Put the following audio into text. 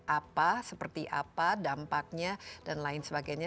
apa seperti apa dampaknya dan lain sebagainya